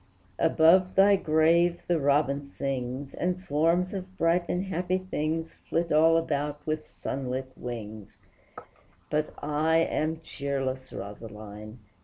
Above thy grave the robin sings, And swarms of bright and happy things Flit all about with sunlit wings, But I am cheerless, Rosaline!